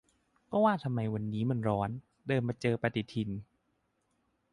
ก็ว่าทำไมวันนี้มันร้อน เดินมาเจอปฏิทิน